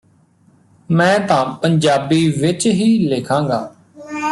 ਮੈਂ ਤਾਂ ਪੰਜਾਬੀ ਵਿਚ ਹੀ ਲਿਖਾਂਗਾ